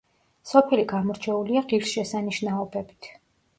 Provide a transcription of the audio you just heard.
სოფელი გამორჩეულია ღირსშესანიშნაობებით.